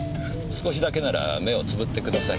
少しだけなら目をつぶってください。